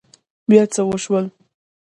بيا څه وشول؟